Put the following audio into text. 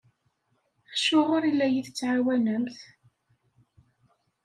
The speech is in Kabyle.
Acuɣer i la iyi-tettɛawanemt?